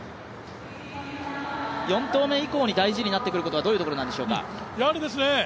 ４投目以降に大事になってくるのはどういうところなんでしょうか。